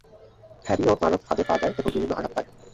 Harry ও Marv ফাঁদে পা দেয় এবং বিভিন্ন আঘাত পায়।